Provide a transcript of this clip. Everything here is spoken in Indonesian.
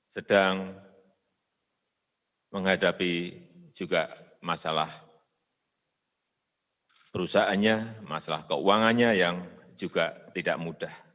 sedang menghadapi juga masalah perusahaannya masalah keuangannya yang juga tidak mudah